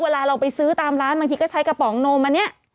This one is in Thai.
เวลาเราไปซื้อตามร้านบางทีก็ใช้กระป๋องนมอันนี้